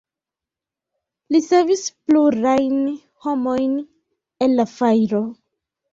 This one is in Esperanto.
Li savis plurajn homojn el la fajro.